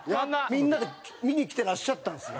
みんなで見に来てらっしゃったんですよ。